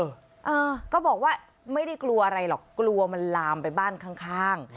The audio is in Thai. เออก็บอกว่าไม่ได้กลัวอะไรหรอกกลัวมันลามไปบ้านข้างข้าง